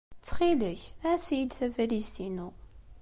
Ttxil-k, ɛass-iyi-d tabalizt-inu.